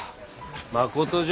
まことじゃ。